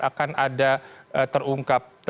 akan ada terungkap